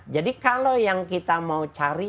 jadi kalau yang kita mau cari